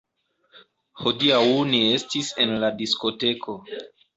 Hodiaŭ ni estis en la diskoteko